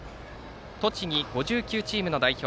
栃木５９チームの代表